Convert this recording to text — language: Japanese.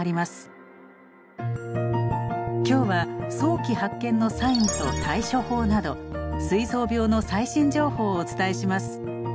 今日は早期発見のサインと対処法などすい臓病の最新情報をお伝えします。